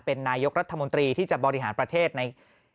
เป็นนายกรัฐมนตรีที่จะบริหารประเทศใน